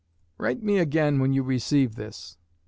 Write me again when you receive this.